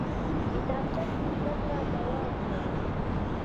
کتابچه کې زده کړه دوام کوي